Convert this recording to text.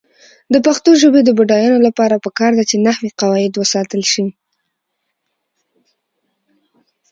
د پښتو ژبې د بډاینې لپاره پکار ده چې نحوي قواعد وساتل شي.